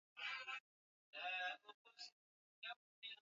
Maeneo mengi ya kutembea huku Nairobi